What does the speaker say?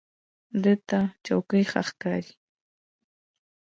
د تا چوکۍ ښه ښکاري